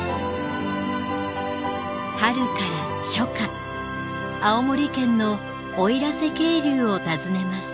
春から初夏青森県の奥入瀬渓流を訪ねます。